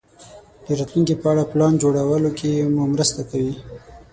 د راتلونکې په اړه پلان جوړولو کې مو مرسته کوي.